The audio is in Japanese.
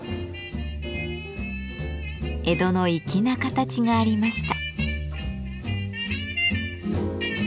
江戸の粋な形がありました。